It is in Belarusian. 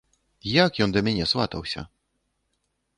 Як ён да мяне сватаўся?